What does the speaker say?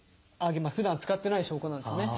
ふだん使ってない証拠なんですね。